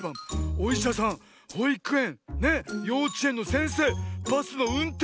おいしゃさんほいくえんようちえんのせんせいバスのうんてん